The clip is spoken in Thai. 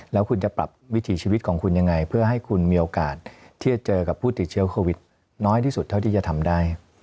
แล้วคุณจะปรับวิถีชีวิตของคุณยังไงเพื่อให้คุณมีโอกาสที่จะเจอกับผู้ติดเชื้อโควิดน้อยที่สุดเท่าที่จะทำได้